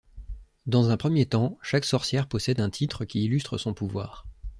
Dans un premier temps, chaque sorcière possède un titre qui illustre son pouvoir.